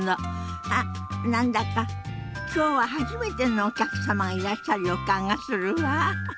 あっ何だか今日は初めてのお客様がいらっしゃる予感がするわ。